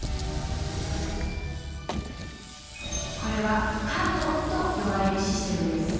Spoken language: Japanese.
これは「ＰＡＮＴ」と呼ばれるシステムです。